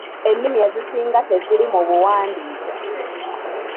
Ennimi ezisinga teziri mu buwandiike.